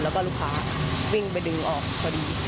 แล้วก็ลูกค้าวิ่งไปดึงออกพอดี